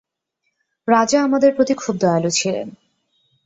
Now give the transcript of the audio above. রাজা আমাদের প্রতি খুব দয়ালু ছিলেন।